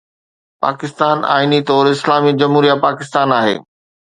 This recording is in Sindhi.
پاڪستان آئيني طور ’اسلامي جمهوريه پاڪستان‘ آهي.